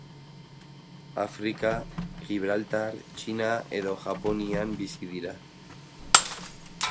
Afrika, Gibraltar, Txina edo Japonian bizi dira.